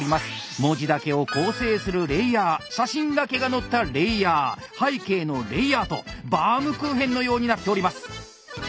文字だけを合成するレイヤー写真だけが載ったレイヤー背景のレイヤーとバウムクーヘンのようになっております！